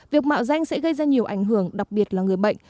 việc mạo danh sẽ gây ra nhiều ảnh hưởng đặc biệt là người bệnh